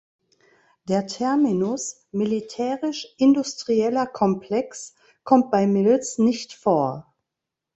Der Terminus „militärisch-industrieller Komplex“ kommt bei Mills nicht vor.